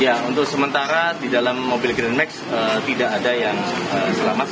ya untuk sementara di dalam mobil grand max tidak ada yang selamat